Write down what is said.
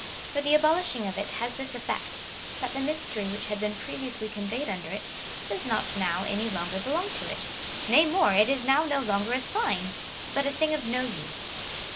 For the abolishing of it has this effect — that the mystery which had been previously conveyed under it, does not now any longer belong to it : nay more, it is now no longer a sign, but a thing of no use.